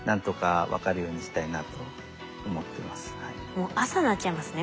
もう朝になっちゃいますね